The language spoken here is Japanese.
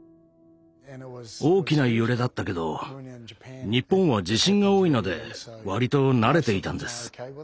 大きな揺れだったけど日本は地震が多いので割と慣れていたんです。